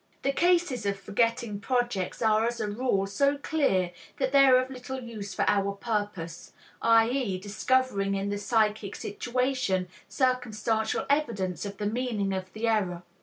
The cases of forgetting projects are as a rule so clear that they are of little use for our purpose, i.e., discovering in the psychic situation circumstantial evidence of the meaning of the error.